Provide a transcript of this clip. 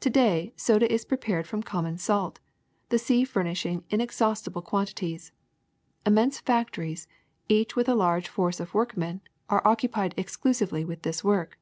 To day soda is prepared from common salt, the sea furnishing inexhaustible quantities. Immense fac tories, each mth a large force of workmen, are occu pied exclusively with this work.